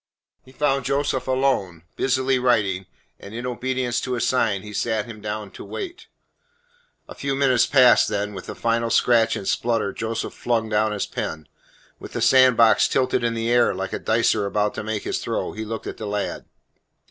He found Joseph alone, busily writing, and in obedience to a sign he sat him down to wait. A few minutes passed, then, with a final scratch and splutter Joseph flung down his pen. With the sandbox tilted in the air, like a dicer about to make his throw, he looked at the lad.